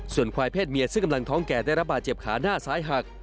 ส่วนควายเพศเมียซึ่งกำลังท้องแก่ได้รับบาดเจ็บขาหน้าซ้ายหัก